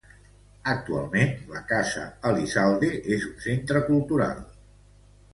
Actualment, la Casa Elizalde és un centre cultural.